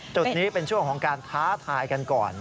จุดนี้เป็นช่วงของการท้าทายกันก่อน